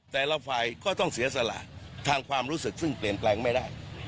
แต่ละฝ่ายก็ต้องเสียสละทางความรู้สึกซึ่งเปลี่ยนแปลงไม่ได้